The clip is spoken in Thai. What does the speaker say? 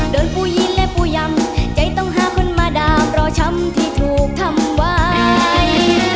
ผู้ยินและผู้ยำใจต้องหาคนมาดาบรอช้ำที่ถูกทำไว้